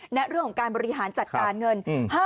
เรื่องของการบริหารจัดการเงิน